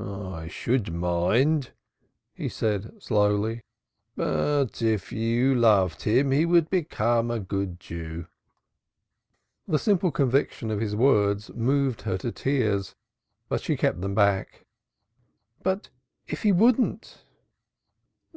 "I should mind," he said slowly. "But if you loved him he would become a good Jew." The simple conviction of his words moved her to tears, but she kept them back. "But if he wouldn't?"